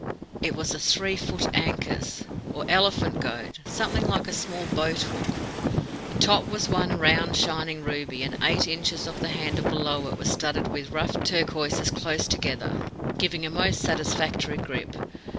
It was a three foot ankus, or elephant goad something like a small boat hook. The top was one round, shining ruby, and eight inches of the handle below it were studded with rough turquoises close together, giving a most satisfactory grip.